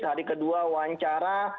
hari kedua wawancara